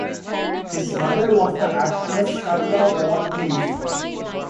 His mother was the actress Karla van Cleef.